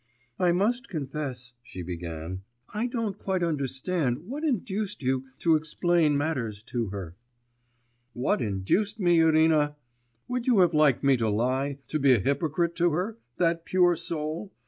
'I must confess,' she began, 'I don't quite understand what induced you to explain matters to her.' 'What induced me, Irina! Would you have liked me to lie, to be a hypocrite to her, that pure soul?